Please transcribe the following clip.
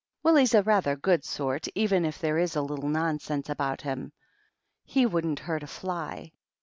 " Well, he's a rather good sort, even if there a little nonsense about him. He wouldn't hurt fly.